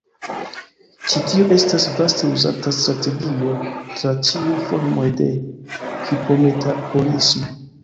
Ĉi tio estas vaste uzata strategio tra ĉiuj formoj de hipometabolismo.